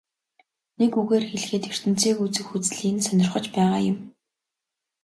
Нэг үгээр хэлэхэд ертөнцийг үзэх үзлий нь сонирхож байгаа юм.